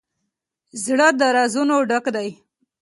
زړه د رازونو ډک دی.